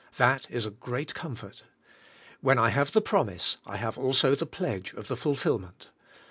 That is a great comfort. Wlien I have the promise I have also the pledge of the fullill ment.